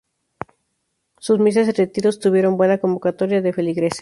Sus misas y retiros tuvieron buena convocatoria de feligreses.